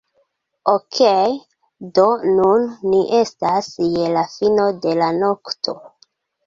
Okej' do nun ni estas je la fino de la nokto